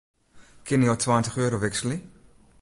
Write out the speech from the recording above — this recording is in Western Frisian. Kinne jo tweintich euro wikselje?